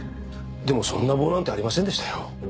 でもそんな棒なんてありませんでしたよ。